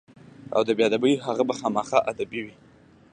او د ادبي هغه به خامخا ادبي وي.